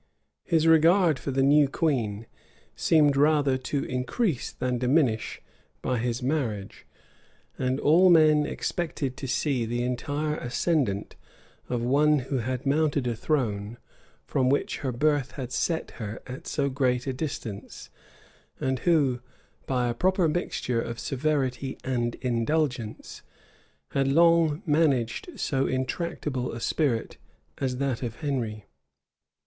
His regard for the new queen seemed rather to increase than diminish by his marriage; and all men expected to see the entire ascendant of one who had mounted a throne from which her birth had set her at so great a distance, and who, by a proper mixture of severity and indulgence, had long managed so intractable a spirit as that of Henry.